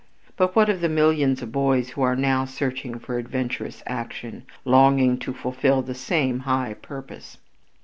But what of the millions of boys who are now searching for adventurous action, longing to fulfil the same high purpose?